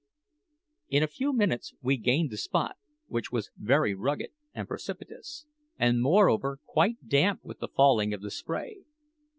In a few minutes we gained the spot, which was very rugged and precipitous, and, moreover, quite damp with the falling of the spray.